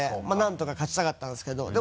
まぁなんとか勝ちたかったんですけど。